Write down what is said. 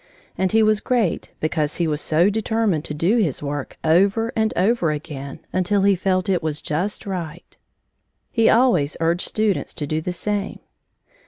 And he was great because he was so determined to do his work over and over again until he felt it was just right. He always urged students to do the same.